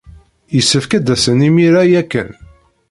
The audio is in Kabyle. Yessefk ad d-asen imir-a ya kan!